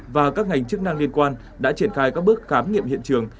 và các ngành chức năng liên quan đã triển khai các bước khám nghiệm hiện trường